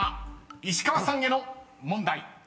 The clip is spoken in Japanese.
［石川さんへの問題］